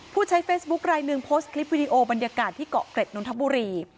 ผู้ใช้เฟซบุ๊คลายหนึ่งโพสต์คลิปวิดีโอบรรยากาศที่เกาะเกร็ดนนทบุรี